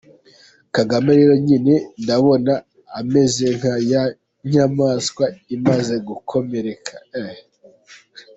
Kagame rero njye ndabona ameze nka ya nyamaswa imaze gukomereka.